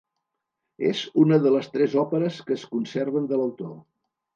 És una de les tres òperes que es conserven de l'autor.